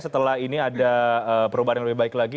setelah ini ada perubahan yang lebih baik lagi